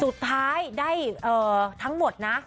สุดท้ายได้ทั้งหมดนะ